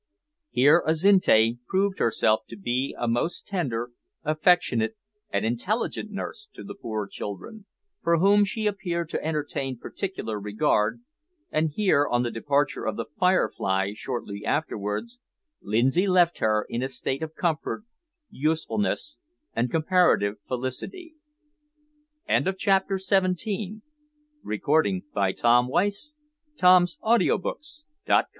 Here Azinte proved herself to be a most tender, affectionate, and intelligent nurse to the poor children, for whom she appeared to entertain particular regard, and here, on the departure of the `Firefly' shortly afterwards, Lindsay left her in a state of comfort, usefulness, and comparative felicity. CHAPTER EIGHTEEN. DESCRIBES SOME OF THE DOINGS OF YOOSOOF AND HIS MEN IN